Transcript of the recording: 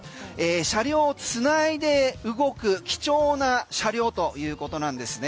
車両を繋いで動く貴重な車両ということなんです。